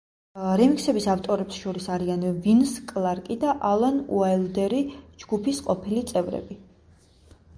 რემიქსების ავტორებს შორის არიან ვინს კლარკი და ალან უაილდერი, ჯგუფის ყოფილი წევრები.